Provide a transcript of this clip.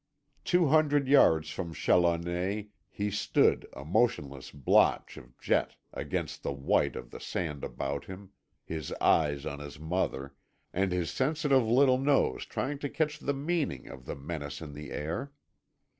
Two hundred yards from Challoner he stood a motionless blotch of jet against the white of the sand about him, his eyes on his mother, and his sensitive little nose trying to catch the meaning of the menace in the air.